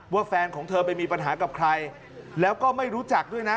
แฟนของเธอไปมีปัญหากับใครแล้วก็ไม่รู้จักด้วยนะ